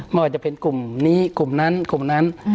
ไม่ว่าจะเป็นกลุ่มนี้กลุ่มนั้นกลุ่มนั้น